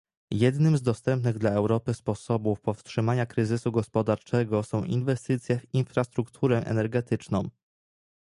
Jednym z dostępnych dla Europy sposobów powstrzymania kryzysu gospodarczego są inwestycje w infrastrukturę energetyczną